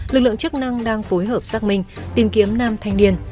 lực lượng chức năng đang phối hợp xác minh tìm kiếm nam thanh niên